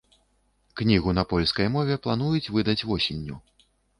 Кнігу на польскай мове плануюць выдаць восенню.